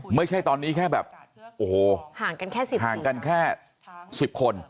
ไม่ใช่ตอนนี้แค่แบบโอโหห่างกันแค่สิบคน